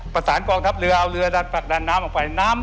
ประสานกองทัพเรือเอาเรือดัดดัดน้ำออกไป